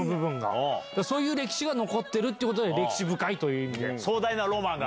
そういう歴史が残ってる歴史深いという意味で。